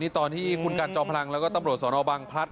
ตอนที่คุณกัลจองพลังละก็ตำรวจสอนอวบังพลัท